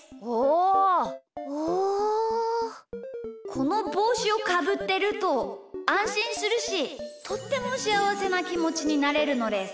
このぼうしをかぶってるとあんしんするしとってもしあわせなきもちになれるのです。